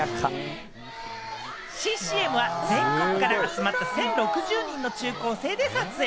新ＣＭは全国から集まった１０６０人の中高生で撮影。